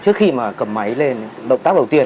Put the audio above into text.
trước khi mà cầm máy lên động tác đầu tiên